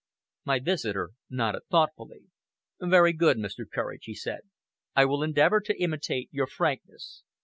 My visitor nodded thoughtfully. "Very good, Mr. Courage," he said. "I will endeavor to imitate your frankness.